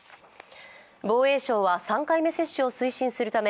防衛省は３回目接種を推進する